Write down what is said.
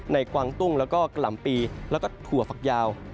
กวางตุ้งแล้วก็กะหล่ำปีแล้วก็ถั่วฝักยาว